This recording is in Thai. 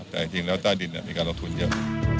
แต่จริงแล้วใต้ดินมีการลงทุนเยอะ